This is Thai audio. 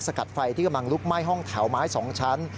กัดไฟที่กำลังลุกไหม้ห้องแถวไม้๒ชั้น